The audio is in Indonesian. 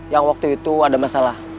yang waktu itu ada masalah